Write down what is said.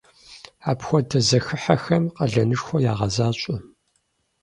Апхуэдэ зэхыхьэхэм къалэнышхуэ ягъэзащӏэ.